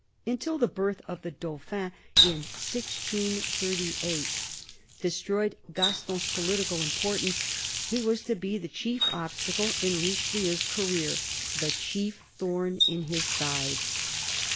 Until the birth of a Dauphin, in 1638, de stroyed Gaston's political importance, he was to be the chief obstacle in Richelieu's career, the chief thorn in his side.